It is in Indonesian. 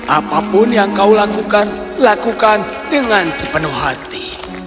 apapun yang kau lakukan lakukan dengan sepenuh hati